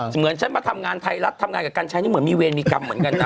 เหมือนฉันมาทำงานไทยรัฐทำงานกับกัญชัยนี่เหมือนมีเวรมีกรรมเหมือนกันนะ